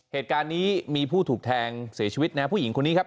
เหตุการณ์นี้มีผู้ถูกแทงเสียชีวิตนะครับผู้หญิงคนนี้ครับ